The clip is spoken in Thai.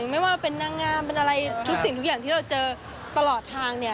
ไม่ว่าเป็นนางงามเป็นอะไรทุกสิ่งทุกอย่างที่เราเจอตลอดทางเนี่ย